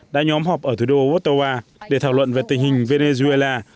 đã nhóm họp ở thủ đô ottawa để thảo luận về tình hình venezuela